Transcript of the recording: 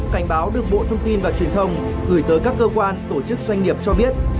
cảnh báo được bộ thông tin và truyền thông gửi tới các cơ quan tổ chức doanh nghiệp cho biết